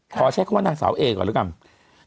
ขอใช้คำว่านางสาวเอก่อนแล้วกัน